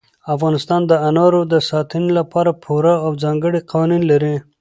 افغانستان د انارو د ساتنې لپاره پوره او ځانګړي قوانین لري.